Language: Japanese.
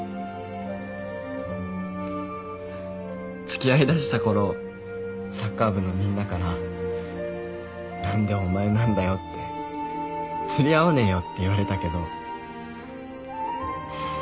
付き合いだしたころサッカー部のみんなから何でお前なんだよって釣り合わねえよって言われたけど。